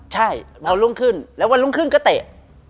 ใช่วันรุ่งขึ้นแล้ววันรุ่งขึ้นก็เตะ